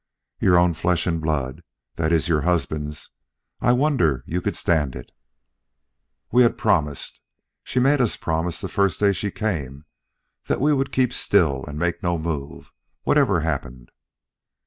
"Your own flesh and blood that is, your husband's. I wonder you could stand it." "We had promised. She made us promise the first day she came that we would keep still and make no move, whatever happened."